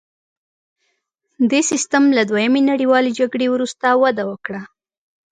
دې سیستم له دویمې نړیوالې جګړې وروسته وده وکړه